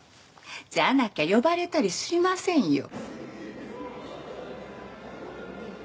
じゃなきゃ呼ばれたりしませんよ。